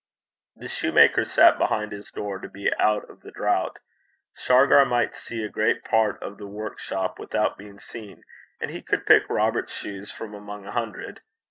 The shoemaker sat behind his door to be out of the draught: Shargar might see a great part of the workshop without being seen, and he could pick Robert's shoes from among a hundred.